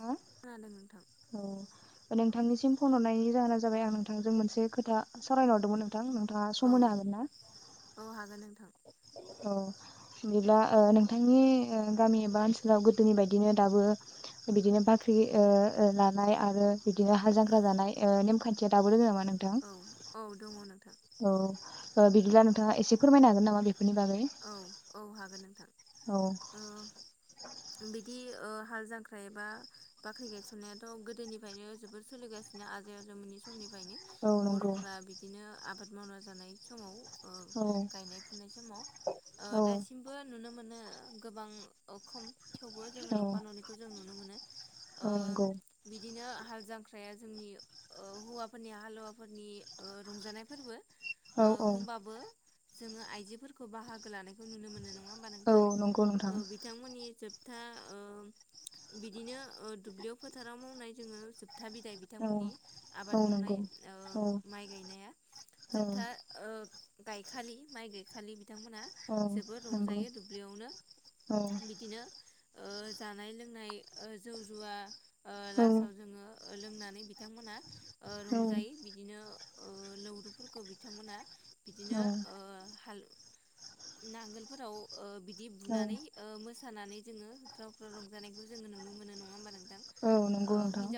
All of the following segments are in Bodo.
हो खोनादों नोंथां अ' नोंथांनिसिम फन हरनायनि जाहोना जाबाय आं नोंथांजों मोनसे खोथा सावरायनो हरदोंमोन नों नोंथां नोंथाङा औ सम होनो हागोन ना औ हागोन नोंथां औ बिदिब्ला ओ नोंथांनि ओ गामि एबा ओनसोलाव गोदोनि बायदिनो दाबो बिदिनो बाख्रि ओ-ओ लानाय आरो बिदिनो हाल जांख्रा जानाय ओ नेमखान्थिया दाबो दोङो नामा नोंथां? औ औ दङ नोंथां औ ओ बिदिब्ला नोंथाङा एसे फोरमायनो हागोन नामा बि औ औ हागोन नोंथां औ औ बिदि ओ हाल जांख्रा एबा बाख्रि गायसननायाथ' गोदोनिफ्रायनो जोबोर सोलिगासिनो आजै-आजौमोननि समनि फायनो औ नंगौ बर'फोरा बिदिनो आबाद मावना जानाय समाव औ गायनाय फुनाय समाव ओ औ दासिमबो नुनो मोनो नो गोबां अखम थेवबो जोङो औ नफा न'नैखौ जों नु ओ औ नंगौ बिदिनो हाल जांख्राया जोंनि ओ हौवाफोरनि हालुवाफोरनि ओ रंजानाय फोरबो औ ओ औ होनबाबो जोङो आइजोफोरखौ बाहागो लानायखौ नुनो मोनो नङा नङा होमबा औ नोंथां नंगौ नोंथां बिथांमोननि जोब था ओ बिदिनो दुब्लियाव फोथाराव मावनाय जोङो जोबथा बिदाय औ बिथांमोननि आबाद औ मावनाय नंगौ औ माइ गायनाया औ जोबथा ओ गायखालि माइ गायखालि बिथांमोनहा औ जोबोद नंगौ रंजायो दुब्लियावनो औ बिदिनो ओ जानाय लोंनाय जौ जुवा ओ औ लास्टाव जोङो लोंनानै बिथांमोना औ रंजायो बिदिनो लौरुफोरखौ बिथांमोना बिदिनो औ हालु नांगोलफोराव ओ बि बिदि औ बुनानै ओ थानानै जोङो रावफ्राव रंजानायखौ जोङो नुनो मोनो नङा होमबा नों औ नंगौ नोंथां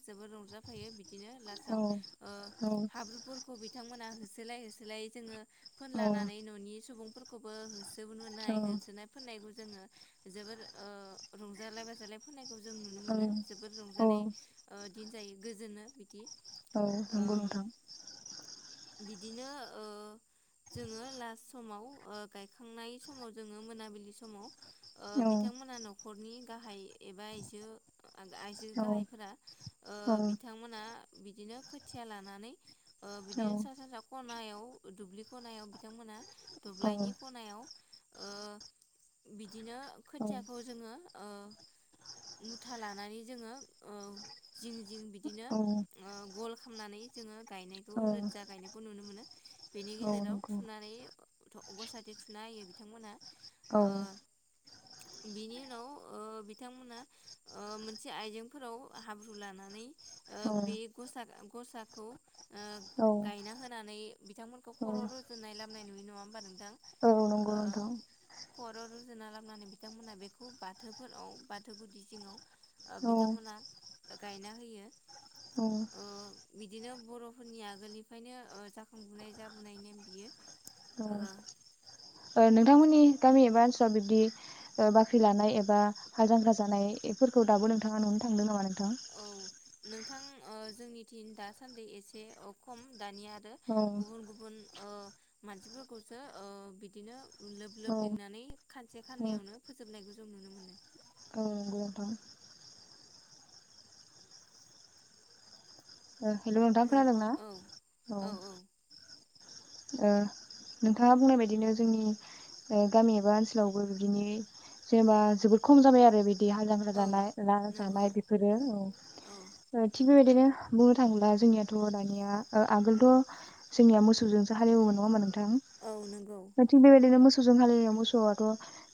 जोबोर रंजाफायो बि बिदिनो लास्तआव औ ओ औ हाब्रुफोरखौ बि बिथांमोनहा होसोलाय होसोलाय जोङो फोनला नानै न'नि सुबुं फोरखौबो होसो औ जनाय होसोना फोननायबो जोङो जोबोर रंजालाय बाजालाय फोननाय जों नुनो मोनो जोबोद औ रंजानाय दिन जायो गोजोनो बिदि औ ओ नंगौ नोंथां बिदिनो ओ जोङो लास्ट समाव ओ गायखांनाय समाव जोङो मोनाबिलि समाव ओ औ बिथांमोना न' न'खरनि गाहाय एबा आइजो आइजो औ गाहायफोरा औ बिथांमोना बिदिनो खोथिया लानानै ओ बिदिनो सा सानजा ख नायाव दुब्लि खनायाव बिथांमोनहा दब्लायनि औ खनायाव ओ बिदिनो औ नंगौ औ खोथियाखौ जोङो ओ मुथा लानानै जोङो ओ जिं जिं बिदिनो गल खालामनानै जोङो गायनायखौ रोजा औ गायनायखौ नुनो मोनो बेनि जेराव थुनानै गसाखौ थुना होयो बिथांमोना औ। बिनि उनाव ओ बिथांमोना मोनसे आइजेंफोराव हाब्रु लानानै ओ बे नंगौ गसा गसाखौ ओ गायना होनानै बिथांमोनखौ नोंथां खर' रुजुनाय लाबोनाय नुयो नङा होमबा। औ नंगौ नोंथां। खर' रुजुनना लाबोनानै बिथांमोनहा बेखौ बाथौफोराव बाथौ गुदि जिङाव बिथांमोना गायना होयो। औ। ओ बिदिनो बर'फोरनि आगोलनिफ्रायनो जाखांबोननाय जाबोनाय नेम बियो। ओ नोंथांमोननि गामि एबा ओनसोलाव बिब्दि बाख्रि लानाय एबा हा जांख्रा जानायफोरखौ दाबो नोंथाङा नुनो थांदों नामा नोंथां औ नोंथां जोंनिथिं दासान्दि एसे खम दानिया आरो औ गुबुन गुबुन ओ मानसिफोरखौसो ओ बिदिनो लोब औ लोब लिंनानै खानसे औ खाननैयावनो फोजोबनाय जों नुनो मोनो। औ नंगौ नोंथां। ओ हेल' नोंथां नों खोनादोंना? औ औ ओ नोंथाङा बुंनाय बायदिनो जोंनि ओ गामि एबा ओनसोलावबो बिदिनि जेनेबा जोबोद खम जाबाय आरो बि- दि हाल जांख्रा औ जानाय ला नंगौ जानाय बेफोरो औ औ ओ थिग बेबाय- दिनो बुंनो थाङोब्ला जोंनियाथ' दानिया ओ आगोलथ' जोंनिया मोसौजोंसो हालेवोमोन नङा ओमबा नों- थां औ नंगौ ओ थिग बेबायदिनो मोस- गुजों हलि मोसौआथ'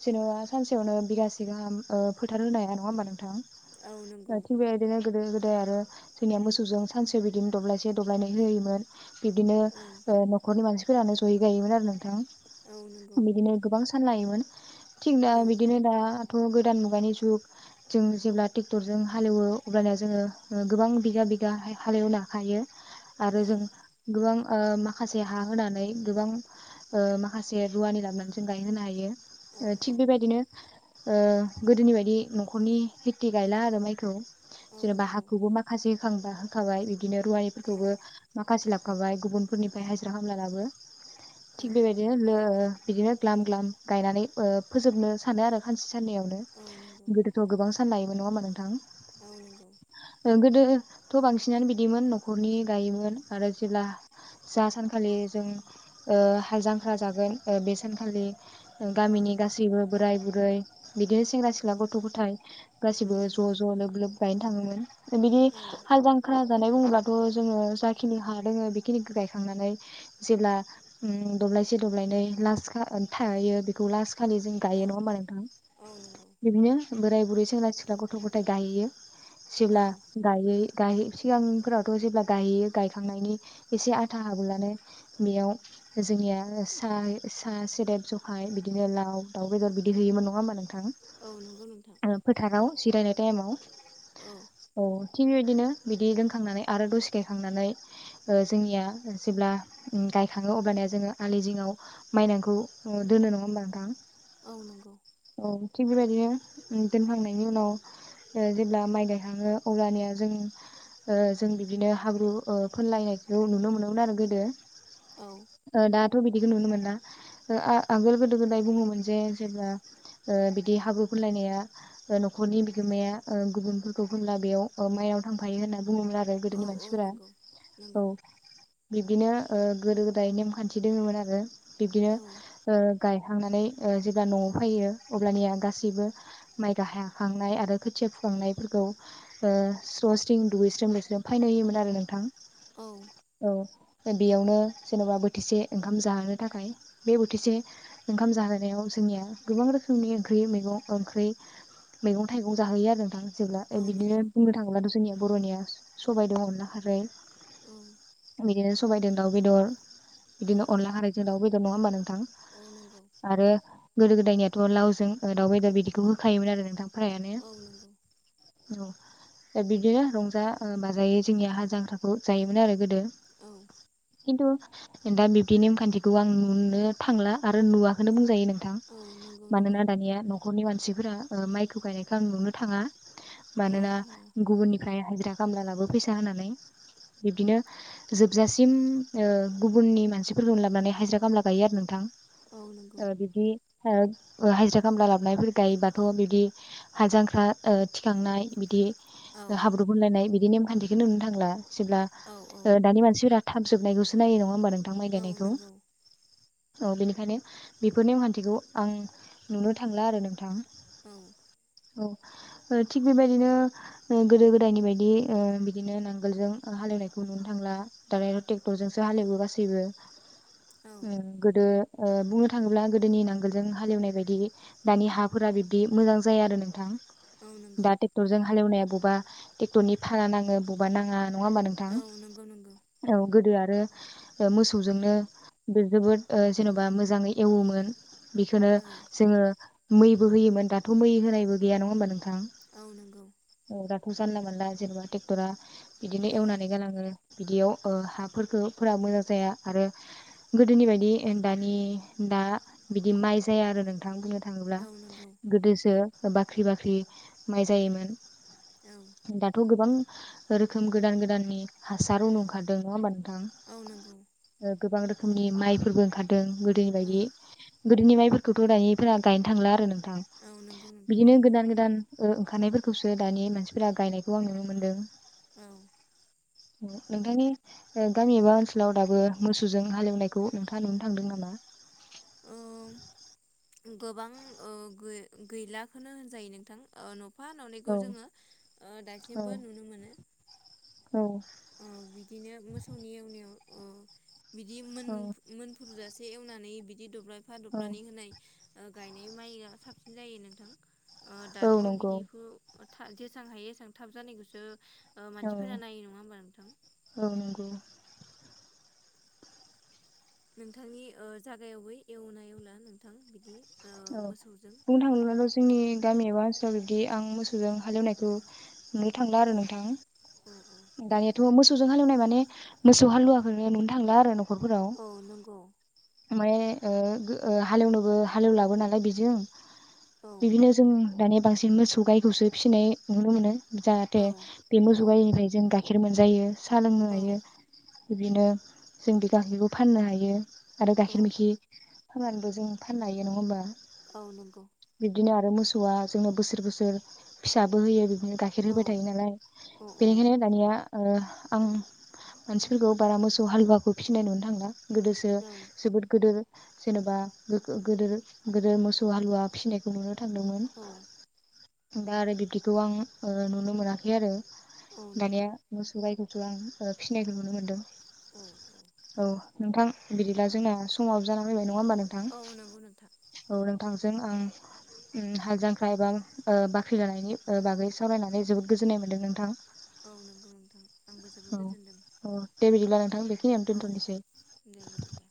जेनेबा सानसेयावनो बिगासे गाहाम ओ फोथार होनो हाया नङा होमबा नोंथां? औ नंगौ बाथै बेायदिनो गोदोर गोदोर दे आरो जोंनिया मोसौजों सानसेयाव बिदिनो दब्लायसे दब्लायनै होयोमोन बिब्दिनो औ ओ न'- खरनि मानसिफोरानो जयै गायोमोन आरो औ नंगौ नोंथां। बिदिनो गोबां फानलायोमोन थिगदा औ बिदिनो दा थ' गोदान मुगानि जुग जों जेब्ला टेक्टरजों हालेवो अब्लाना जोङो गोबां बिगा बिगा हाय-हालेवनो हायो आरो औ जों गोबां ओ मा- खासे हा होनानै गोबां ओ माखासे रुवानि लाबोनानै जों गायहोनो औ हायो। थिग औ बेबायदिनो ओ गोदोनि बायदि न'खरनि खेथि गायला आरो माइखौ औ जेन'बा नंगौ हाखौबो माखासे होखांबा होखाबाय बि- दिनो रुवानि औ फोरखौबो माखासे लाब खाबाय गुबुनफोरनि बाय हाइजरा खामला लाबो औ थिग बेबायदिनो लो बिदिनो ग्लाम ग्लाम गायनानै ओ फोजोबनो सानो आरो खानसे साननायैावनो औ नंगौ गोदोथ' गोबां सानलायोमोन नङा होमबा नोंथां? औ नंगौ। ओ गोदोथ' बांसिनानो बिदिमोन न'खरनि गायोमोन आरो जेब्ला जा सानखालि जों ओ हाल जांख्रा ओ जागोन बे सानखालि औ गामिनि गासैबो बोराय बुर- गै बिदिनो सेंग्रा सिख्ला गथ' गथाय गासिबो औ ज' ज' लोब लोब गायनो थाङोमोन बिदि औ हाल जांख्रा जानाय बुङोबाथ' जोङो जाखिनि हा दोङो बेखिनिखो गाय- खांनानै जेब्ला उम दब्लायसे दब्लायनै लास खा थायो बेखौ लास खालि जों औ गायो नङा होमबा नोंथां औ नंगौ बिदिनो बोराय बुरै सेंग्रा सिख्ला गथ' गथाय गायहैयो जिब्ला औ गायै गाहैयै सिगांफोरावथ' जेब्ला गायहैयो गायखांनायनि एसे। फोथा हाब्लानो बेयाव जोंनिया साय साहा सोदोब सहाय बिदिनो लाव दाउ बेदर बिदि होयोमोन नङा होमबा नोंथां। औ नंगौ नोंथां फोथाराव जिरायनाय। टाइमाव। औ। थिग बेबायदिनो बिदि लोंखांनानै आरो दसे गायखांनानै जोंनिया। जेब्ला गायखाङो अब्लानो जोंओ आलि जिङाव माइदांखौ दोनो नङा होमबा औ नंगौ नोंथां। औ। थिग बेबायदिनो दोनखांनायनि उनाव जेब्ला माइ गायखाङो अब्लानिया जों जों बिदिनो हाब्रु फोनलायनायखौ नुनो मोनो। नंगौमोन आरो गोदो। औ ओ दा। थ' बिदिखौ नुनो मोना ओ आगोल गोदो गोदाय बुङोमोन जे जेब्ला ओ बिदि हाब्रु फुनलायनाया न'खरनि बिगोमाया गुबुनफोरखौ होनला बेयाव माइ आव थांफायो होनना। बुङोमोन आरो औ गोदोनि औ मानसिफोरा नंगौ औ। नंगौ बिब्दिनो ओ गोदो गोदाय नेमखान्थि दोङोमोन आरो। बिब्दिनो औ ओ गाय। थांनानै जेब्ला न'आव फैयो अब्लानिया गासैबो माइ गायहांखांनाय आरो खोथिया फुखांनायफोरखौ स्र' स्रिं दुगैस्रोम लोमस्रोम फैनो होयोमोन आरो नोंथां। औ। औ बेयावनो जेन'बा बोथिसे ओंखाम जाहोनो थाखाय बे बोथिसे ओंखाम जाहोनायाव जोंनिया गोबां रोखोमनि ओंख्रि मैगं ओंख्रि मैगं थाइगं जाहोयो आरो औ नोंथां। बिदिनो नंगौ बुंनो थाङोब्ला जोंनियाव। बर'निया सबाय दं अनला खारै। औ बिदिनो सबायजों दाउ बेदर औ बिदिनो अनला खारैजों दाउ बेदर नङा होमबा नोंथां। औ नंगौ आरो। गोदो गोदायनियाथ' लावजों दाउ बेदर बिदिखौ होखायोमोन आरो नोंथांखौ। फ्रायानो। औ नंगौ औ दा बिदिनो रंजा बाजायै जोंनिया हालजांख्राखौ जायोमोन आरो गोदो। औ खिन्थु दा बिब्दि नेमखान्थिखौ आं नुनो थांला आरो नुवाखौनो बुंजायो नोंथां औ नंगौ मानोना नंगौ दानिया न'खरनि मानसिफोरा माइखौ गायनायखौ आं नुनो थाङा औ मानोना थाङा गुबुननिफ्राय हाजिरा खामला लाबो फैसा होननानै बिब्दिनो। जोबजासिम ओ गुबुननि मानसिफोरखौनो लाबोनानै हाजिरा खामला गायो आरो नोंथां। औ बिब्दि। ओ हाजिरा खामला लाबोनायफोर गायोबाथ' बिदि हालजांख्रा ओ थिखांनाय बिदि। औ हाब्रु फुनलायनाय बि दि नेम खान्थिखौनो नुनो थांला। जेब्ला। औ औ दानि मानसिफोरा थाब जोबनायखौसो नायो नङा होनबा नों थां माइ औ गायनायखौ। नंगौ औ बेनिखायनो बेफोर ने अमखान्थिखौ आं नुनो थांला आरो नोंथां। औ औ थिग बेबायदिनो गोदो गोदायनि बायदि ओ बिदिनो नांगोलजों हालेवनायखौ नुनो थांला दाराय ट्रेक्टरजोंसो हालेवबो गासैबो औ उ गोदो ओ बुंनो थाङोब्ला गोदोनि नांगोलजों हालेवनाय बायदि दानि हाफोरा बिबदि मोजां जाया आरो नोंथां। औ नंगौ दा टेक्टरजों हालेवनाय बा बबेबा ट्रेक्टरनि भारा नाङो बबेबा नाङा नङा होमबा नोंथां औ नंगौ नंगौ औ गोदो‌ आरो ओ मोसौजोंनो जोबोद जेन'बा मोजाङै एवोमोन बेखौनो औ जोङो मैबो होयोमोन दाथ' मै होनायबो गैया नङा होमबा नों थां औ नंगौ औ दाथ जानला मोनला जेनेबा ट्रेक्टरा बिदिनो औ एवनानै गालाङो बिदियाव ओ हाफोरखौफोरा मोजां जाया आरो गोदोनि बायदि दानि दा बिदि माइ जाया आरो नोंथाङा बुंनो थां थाङोब्ला औ नंगौ गोदोसो बाख्रि बाख्रि माइ जायोमोन औ दाथ' गोबां रोखोम गोदान गोदाननि हासारुनो ओंखारदों नङा होमबा नोंथां औ नंगौ ओ गोबां रोखो खोमनि माइफोरबो ओंखारदों गोदोनि औ बायदि गोदोनि माइफोरखौथ' दानिफोरा गायनो थांला आरो नों थां औ नंगौ नोंथां बिदिनो गैला गोदान गोदान ओ खारानायफोरखौसो दानि मानसिफोरा गायनायखौ आं नुनो मोनदों। औ नोंथांनि गामि एबा ओनसोलाव दाबो मोसौजों हालेवनायखौ नोंथाङा नुनो थांदों नामा? ओ गोबां ओ गै-गैलाखौनो होनजायो नोंथां ओ औ [unintelligible] जोङो ओ दासिमबो नुनो मोनो औ औ बिदिनो मोसौनि एवनायाव औ बिदि औ मोन-मोनफुरजासे एसे एवनानै बिदि दब्लाय औ हाथफ्लानि होनाय गायनाय माइआ साबसिन जायो नोंथां ओ औ दाथ' नंगौ बिदिखौ थ जेसेबां हायो एसबां थाब जानायखौसो औ मानसिफोरा नाय नङा होमब औ नंगौ नोंथांनि ओ जागायावबो एवना एवला नोंथां बिदि ओ औ मोसौजों बुंनो थाङोबाथ' जोंनि गामि एबा ओनसोलाव बिबदि आं मोसौजों हालेवनायखौ नुनो थांला आरो औ नोंथां, औ औ दानियाथ' मो सौजों हालेवनाय माने मोसौ हालुवाखौ नुनो थांला आरो न खरफोराव। औ नंगौ ओबाय ओ ओ हालेवनोबो हालेवलाबो नालाय बेजों औ बिदिनो जोंनि दानिया बांसिन मोसौ गायखौसो फिसिनाय नुनो मोनो। जाहाथे औ बे औ मोसौ गायनिफ्राय जों गाइ खेर मोनजायो। साहा लोंनो हायो। औ बिदिनो जों बे गाइखेरखौ फाननो हायो आरो औ गाखिर मैखि खामनानैबो जों फाननो हायो। नङा होनोबा? औ नंगौ। आरो मोसौवा जोंनो बोसोर बोसोर फिसाबो होयो गाइखेर औ होबाय थायो नालाय औ औ बेनिखायनो दानिया ओ आं मानसिफोरखौ बारा मोसौ हालुवाखौ फिसिनाय नुनो थांला गोदोसो औ जोबोद गोदो जेन'बा गो गोदो गोदो मोसौ हालुवा फिसिनायखौ नुनो थांदोंमोन औ दा आरो बिब्दिखौ आं ओ नुनो मोनाखै आरो औ नंगौ दानिया मसौ गाइखौ बेखौ आं फिसिनायखौ नुनो मोन्दों। औ औ नोंथां बिदिब्ला जोंना समाबो जाना फैबाय नङा नङा होमबा नोंथां औ नंगौ नोंथां औ नोंथांजों आं उम हाल जांख्रा एबा ओ बाख्रि लानायनि ओ बागै सावरायनानै जोबोद गोजोननाय मोन्दों नोंथां। औ नंगौ नोंथां आंबो जोबोद औ गोजोनदों औ दे बिदिब्ला नोंथां बेखिनियावनो औ दोनथ'निसै दे बिदिब्ला